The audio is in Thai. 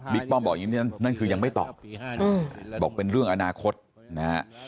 ป้อมบอกอย่างนี้นั่นคือยังไม่ตอบบอกเป็นเรื่องอนาคตนะฮะ